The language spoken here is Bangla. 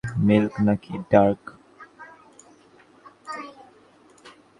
মিল্ক নাকি ডার্ক?